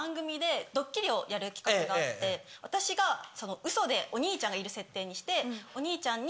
をやる企画があって私がウソでお兄ちゃんがいる設定にしてお兄ちゃんに。